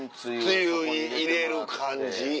つゆ入れる感じ。